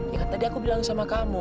ya tadi aku bilang sama kamu